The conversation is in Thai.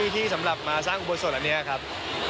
ที่สำหรับมาสร้างอุโบสถอันนี้ครับ